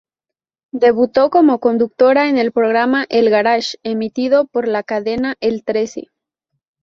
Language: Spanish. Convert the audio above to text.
Debutó como conductora en el programa "El garage", emitido por la cadena El Trece.